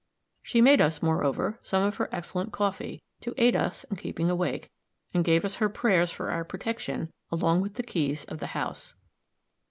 She made us, moreover, some of her excellent coffee, to aid us in keeping awake, and gave us her prayers for our protection along with the keys of the house.